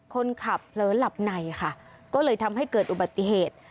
คนขับเผลอหลับในค่ะก็เลยทำให้เกิดอุบัติเหตุ